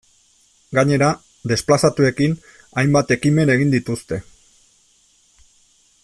Gainera desplazatuekin hainbat ekimen egin dituzte.